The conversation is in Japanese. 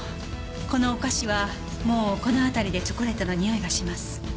このお菓子はもうこの辺りでチョコレートのにおいがします。